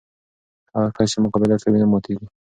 هغه کس چې مقابله کوي، نه ماتېږي.